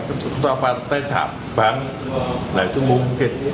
ketua partai cabang nah itu mungkin